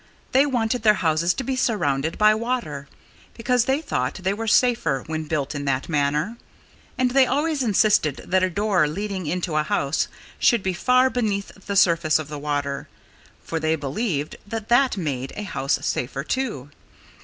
They wanted their houses to be surrounded by water, because they thought they were safer when built in that manner. And they always insisted that a door leading into a house should be far beneath the surface of the water, for they believed that that made a house safer too.